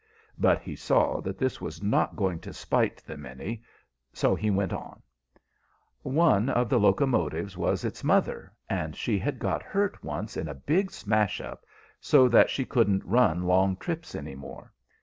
But he saw that this was not going to spite them any, so he went on: "One of the locomotives was its mother, and she had got hurt once in a big smash up, so that she couldn't run long trips any more.